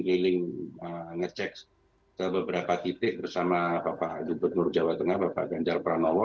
liling ngecek beberapa titik bersama bapak adubut nur jawa tengah bapak ganjar pranowo